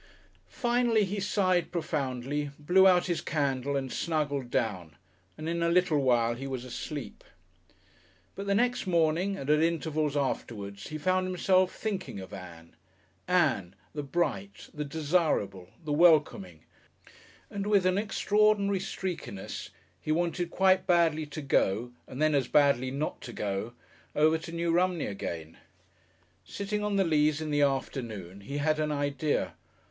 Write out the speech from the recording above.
Finally he sighed profoundly, blew out his candle and snuggled down, and in a little while he was asleep.... But the next morning and at intervals afterwards he found himself thinking of Ann Ann, the bright, the desirable, the welcoming, and with an extraordinary streakiness he wanted quite badly to go and then as badly not to go over to New Romney again. Sitting on the Leas in the afternoon, he had an idea.